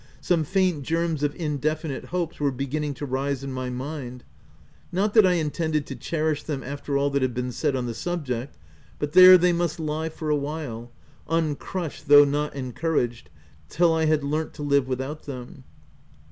— some faint germs of indefinite hopes were beginning to rise in my mind ; not that I intended to cherish them after all that had been said on the subject, but there they must lie for a while, uncrushed though not encouraged, till I had learnt to live without them.